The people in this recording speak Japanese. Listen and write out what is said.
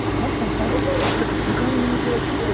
だって図鑑の虫はきれいでしょ？